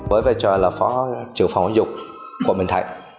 với vai trò là phó trưởng phòng giáo dục quận bình thạnh